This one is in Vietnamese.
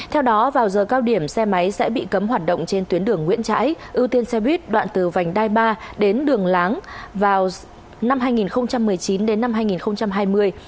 theo đó vào giờ cao điểm xe máy sẽ bị cấm hoạt động trên tuyến đường nguyễn trãi ưu tiên xe buýt đoạn từ vành đai ba đến đường láng vào năm hai nghìn một mươi chín đến năm hai nghìn hai mươi